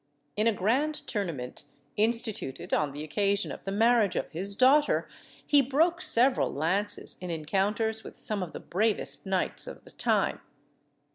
In a grand tournament instituted on the occasion of the marriage of his daughter, he broke several lances in encounters with some of the bravest knights of the time.